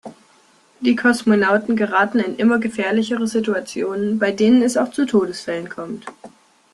Die Kosmonauten geraten in immer gefährlichere Situationen, bei denen es auch zu Todesfällen kommt.